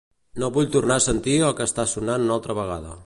No vull tornar a sentir el que està sonant una altra vegada.